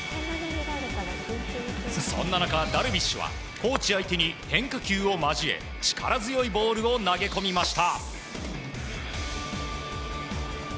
そんな中、ダルビッシュはコーチ相手に変化球を交え力強いボールを投げ込みました。